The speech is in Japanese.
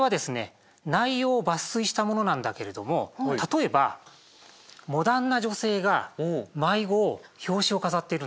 内容を抜粋したものなんだけれども例えばモダンな女性が毎号表紙を飾っているんですよ。